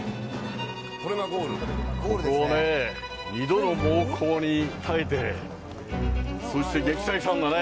ここね、２度の猛攻に耐えて、そして撃退したんだね。